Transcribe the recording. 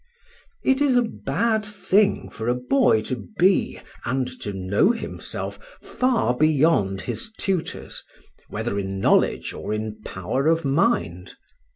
It is a bad thing for a boy to be and to know himself far beyond his tutors, whether in knowledge or in power of mind.